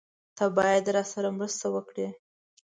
تۀ باید راسره مرسته وکړې!